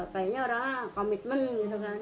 kayaknya orangnya komitmen gitu kan